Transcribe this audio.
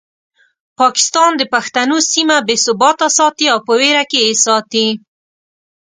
پاکستان د پښتنو سیمه بې ثباته ساتي او په ویر کې یې ساتي.